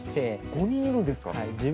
５人いるんですか。